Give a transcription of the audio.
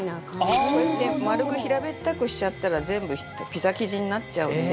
財前：こうやって丸く平べったくしちゃったら全部ピザ生地になっちゃうんで。